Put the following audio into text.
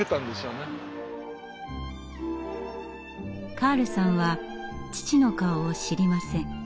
カールさんは父の顔を知りません。